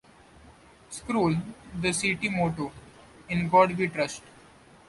Scroll: The city motto, "In God We Trust".